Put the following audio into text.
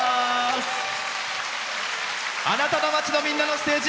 あなたの街の、みんなのステージ